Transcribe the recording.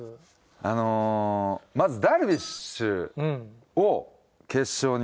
あのまずダルビッシュを決勝に。